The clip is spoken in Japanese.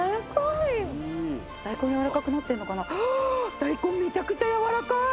大根めちゃくちゃやわらかい！